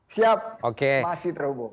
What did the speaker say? siap masih terhubung